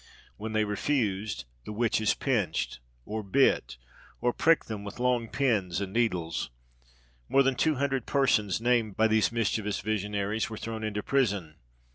When they refused, the witches pinched, or bit, or pricked them with long pins and needles. More than two hundred persons named by these mischievous visionaries were thrown into prison.